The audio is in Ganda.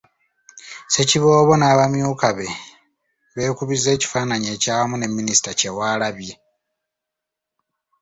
Ssekiboobo n’abamyuka be beekubizza ekifaananyi ekyawamu ne Minisita Kyewalabye.